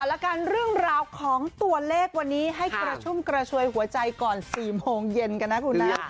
แล้วกันเรื่องราวของตัวเลขวันนี้ให้กระชุ่มกระชวยหัวใจก่อน๔โมงเย็นกันนะคุณนะ